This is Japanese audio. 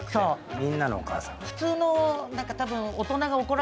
みんなのお母さん。